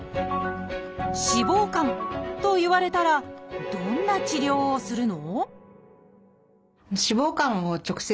「脂肪肝」と言われたらどんな治療をするの？